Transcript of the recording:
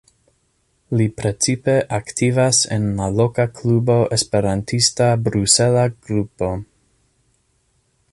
Li precipe aktivas en la loka klubo Esperantista Brusela Grupo.